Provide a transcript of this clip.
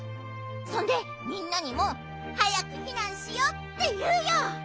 そんでみんなにもはやくひなんしようっていうよ！